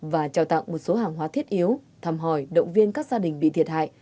và trao tặng một số hàng hóa thiết yếu thăm hỏi động viên các gia đình bị thiệt hại